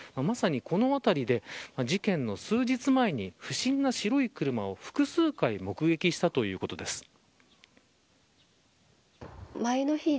まさに、この辺りで事件の数日前に不審な白い車を複数回目撃したということです。